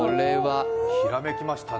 ひらめきましたね。